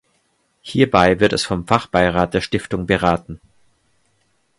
Hierbei wird es vom Fachbeirat der Stiftung beraten.